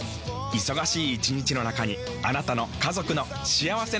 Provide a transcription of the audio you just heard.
忙しい一日の中にあなたの家族の幸せな時間をつくります。